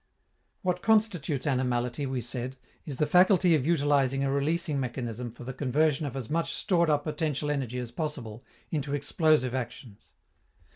What constitutes animality, we said, is the faculty of utilizing a releasing mechanism for the conversion of as much stored up potential energy as possible into "explosive" actions.